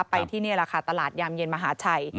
ไปที่ณละครตลาดยามเย็นมหาศัย